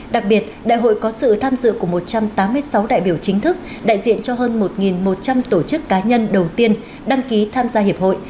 đặc biệt đại hội có sự tham dự của một trăm tám mươi sáu đại biểu chính thức đại diện cho hơn một một trăm linh tổ chức cá nhân đầu tiên đăng ký tham gia hiệp hội